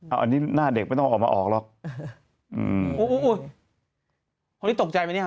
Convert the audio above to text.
อันนี้หน้าเด็กไม่ต้องออกมาออกหรอกอืมอุ้ยคนนี้ตกใจไหมเนี่ยฮะ